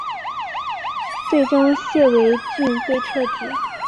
最终谢维俊被撤职。